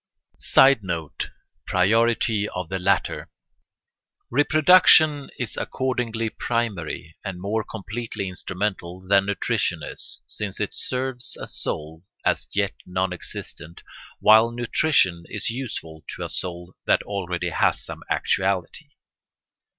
[Sidenote: Priority of the latter] Reproduction is accordingly primary and more completely instrumental than nutrition is, since it serves a soul as yet non existent, while nutrition is useful to a soul that already has some actuality.